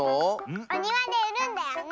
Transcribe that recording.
おにわでうるんだよね！ね！